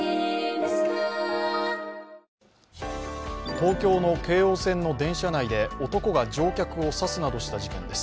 東京の京王線の電車内で男が乗客を刺すなどした事件です